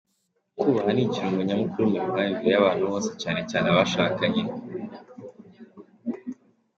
Kubaha ni ikirungo nyamukuru mu mibanire y’abantu bose cyane cyane abashakanye.